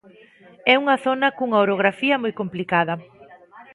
É unha zona cunha orografía moi complicada.